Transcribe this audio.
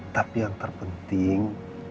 tapi yang terpenting